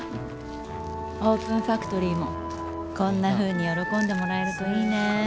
オープンファクトリーもこんなふうに喜んでもらえるといいね。